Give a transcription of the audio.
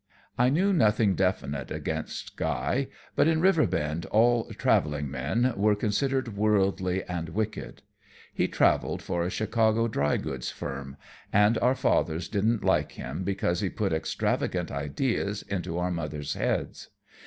I knew nothing definite against Guy, but in Riverbend all "traveling men" were considered worldly and wicked. He traveled for a Chicago dry goods firm, and our fathers didn't like him because he put extravagant ideas into our mothers' heads.